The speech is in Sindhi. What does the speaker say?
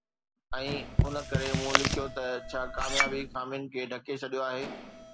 ۽ ان ڪري مون لکيو ته ”ڇا ڪاميابي خامين کي ڍڪي ڇڏيو آهي؟